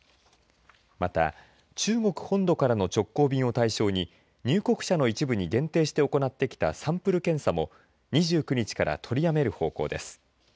また中国本土からの直行便を対象に入国者の一部に限定して行ってきたサンプル検査も２９日から取りやめる方向です。